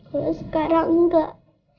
lu sekarang gak